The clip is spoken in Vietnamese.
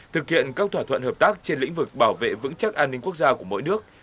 thực hiện các thỏa thuận hợp tác trên lĩnh vực bảo vệ vững chắc an ninh quốc gia của mỗi nước